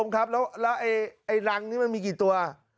และไอดังนี่มันมีกี่ตัว